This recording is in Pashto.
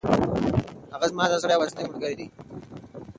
هغه زما د زړه یوازینۍ ملګرې ده.